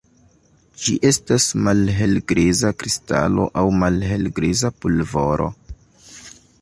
Ĝi estas malhelgriza kristalo aŭ malhelgriza pulvoro.